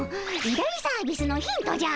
大サービスのヒントじゃ。